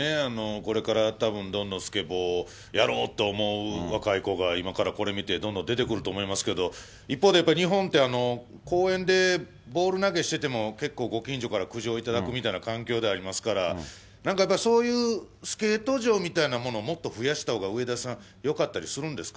これからたぶん、どんどんスケボーやろうって思う若い子が、今からこれ見てどんどん出てくると思いますけど、一方でやっぱり日本って、公園でボール投げしてても、結構、ご近所から苦情頂くみたいな環境でありますから、なんかやっぱり、そういうスケート場みたいなものをもっと増やしたほうが、上田さん、よかったりするんですか。